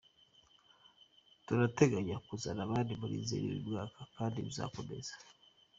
Turateganya kuzana abandi muri Nzeri uyu mwaka, kandi bizakomeza”.